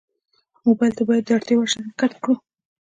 موبایل ته باید د اړتیا وړ شیان ښکته کړو.